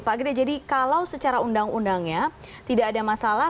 pak gede jadi kalau secara undang undangnya tidak ada masalah